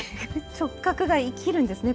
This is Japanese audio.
直角が生きるんですね